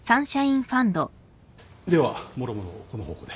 ではもろもろこの方向で。